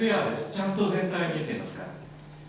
ちゃんと全体を見ていますから。